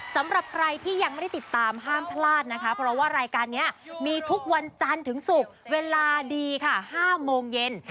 สำหรับใครที่ยังไม่ได้ติดตามห้ามพลาดนะคะเพราะว่ารายการนี้มีทุกวันจันทร์ถึงศุกร์เวลาดีค่ะ๕โมงเย็น